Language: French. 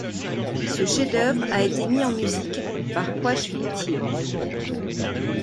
Ce chef-d'oeuvre a été mis en musique par Quách Vĩnh Thiện.